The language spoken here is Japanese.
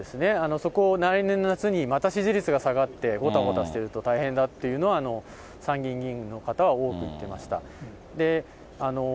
そこを来年の夏に、また支持率が下がってごたごたしてると大変だっていうのは、参議院議員の方は多く言ってました。